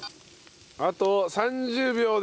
あと３０秒で。